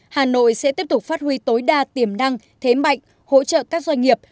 hà nội sẽ tiếp tục phát huy tối đa tiềm năng thế mạnh hỗ trợ các doanh nghiệp